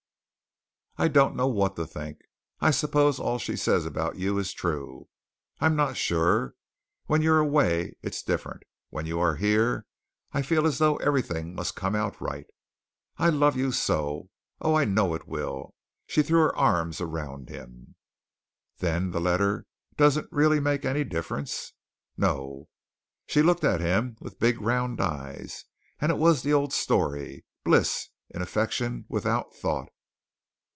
"I don't know what to think. I suppose all she says about you is true. I'm not sure. When you're away, it's different. When you are here, I feel as though everything must come out right. I love you so. Oh, I know it will!" She threw her arms around him. "Then the letter doesn't really make any difference?" "No." She looked at him with big round eyes, and it was the old story, bliss in affection without thought.